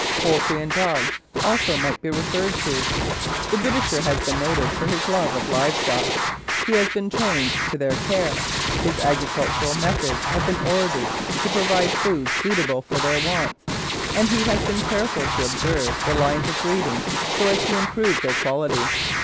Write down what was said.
Poultry and dogs also might be referred to. The Britisher has been noted for his love of live stock. He has been trained to their care, his agricultural methods have been ordered to provide food suitable for their wants, and he has been careful to observe the lines of breeding so as to improve their quality.